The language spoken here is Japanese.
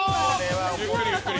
ゆっくりゆっくり。